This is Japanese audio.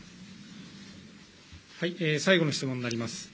最後の質問になります。